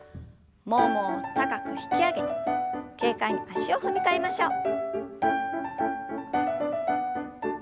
ももを高く引き上げて軽快に足を踏み替えましょう。